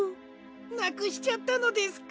なくしちゃったのですか？